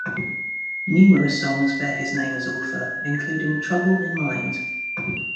Numerous songs bear his name as author, including "Trouble in Mind".